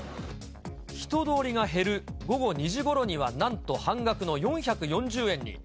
人通りが減る午後２時ごろにはなんと半額の４４０円に。